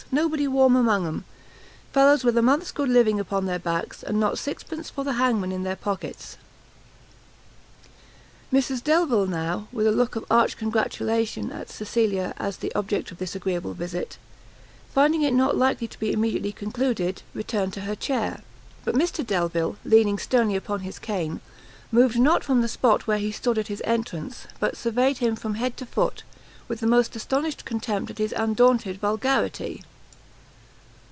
nobody warm among 'em; fellows with a month's good living upon their backs, and not sixpence for the hangman in their pockets!" Mrs Delvile now, with a look of arch congratulation at Cecilia as the object of this agreeable visit, finding it not likely to be immediately concluded, returned to her chair; but Mr Delvile, leaning sternly upon his cane, moved not from the spot where he stood at his entrance, but surveyed him from head to foot, with the most astonished contempt at his undaunted vulgarity.